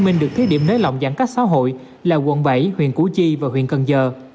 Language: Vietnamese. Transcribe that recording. điều kiện được thiết điểm nới lỏng giãn cách xã hội là quận bảy huyện củ chi và huyện cần giờ